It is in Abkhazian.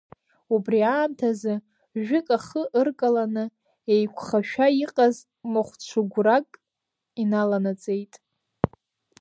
Убри аамҭазы, жәык ахы ыркаланы еиқәхашәа иҟаз махә ҽыгәрак иналанаҵеит.